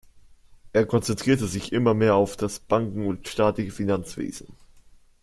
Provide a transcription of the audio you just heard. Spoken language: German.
Er konzentrierte sich immer mehr auf das Banken- und staatliche Finanzwesen.